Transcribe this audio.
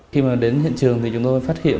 khi đến hiện trường chúng tôi phát hiện